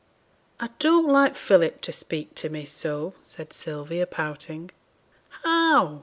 'I don't like Philip to speak to me so,' said Sylvia, pouting. 'How?'